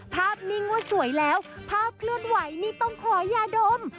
นิ่งว่าสวยแล้วภาพเคลื่อนไหวนี่ต้องขอยาดม